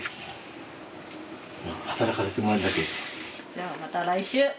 じゃあまた来週。